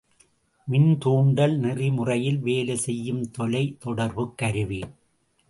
மின்தூண்டல் நெறிமுறையில் வேலை செய்யும் தொலை தொடர்புக் கருவி.